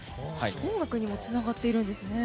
音楽にもつながっているんですね。